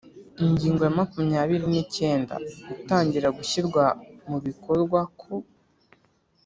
Ingingo ya makumyabiri n’icyenda: Gutangira gushyirwa mu bikorwako